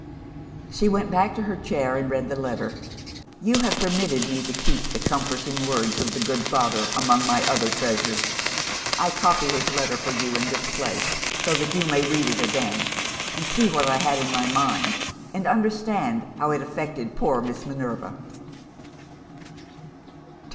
"She went back to her chair, and read the letter. You have permitted me to keep the comforting words of the good Father, among my other treasures. I copy his letter for you in this place so that you may read it again, and see what I had in my mind, and understand how it affected poor Miss Minerva.